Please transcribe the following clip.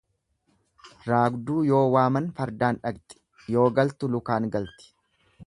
Raagduu yoo waaman fardaan dhaqxi, yoo galtu lukaan galti.